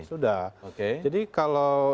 sudah jadi kalau